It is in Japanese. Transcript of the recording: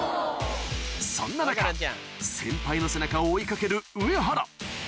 そんな中先輩の背中を追い掛ける上原